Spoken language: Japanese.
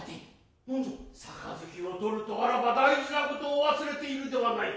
盃を取るとあらば大事なことを忘れているではないか。